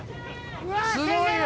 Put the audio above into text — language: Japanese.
すごいよ。